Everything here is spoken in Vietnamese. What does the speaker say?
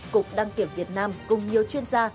cục đăng kiểm việt nam cùng nhiều chuyên gia